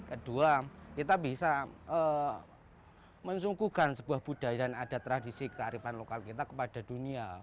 kedua kita bisa menyungkuhkan sebuah budaya dan ada tradisi kearifan lokal kita kepada dunia